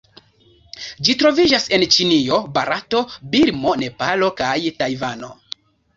Ĝi troviĝas en Ĉinio, Barato, Birmo, Nepalo kaj Tajvano.